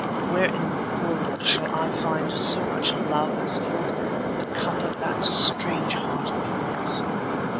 Where in the world shall I find so much love as filled the cup of that strange heart of yours?